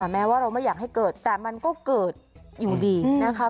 แม้ว่าเราไม่อยากให้เกิดแต่มันก็เกิดอยู่ดีนะคะ